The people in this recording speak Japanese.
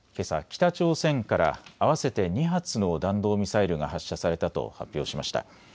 北朝鮮から合わせて２発の弾道ミサイルが発射されたと発表しました。